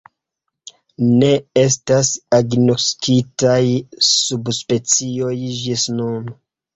Ne estas agnoskitaj subspecioj ĝis nun.